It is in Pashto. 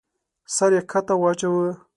سر يې کښته واچاوه.